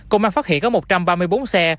công an phát hiện có một trăm ba mươi bốn xe